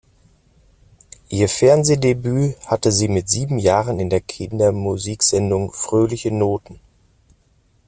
Ihr Fernsehdebüt hatte sie mit sieben Jahren in der Kinder-Musiksendung „Fröhliche Noten“.